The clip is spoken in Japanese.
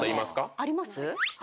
あります？